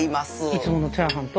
いつものチャーハンと？